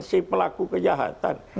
si pelaku kejahatan